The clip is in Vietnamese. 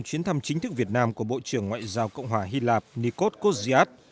chuyến thăm chính thức việt nam của bộ trưởng ngoại giao cộng hòa hy lạp nikos kozyad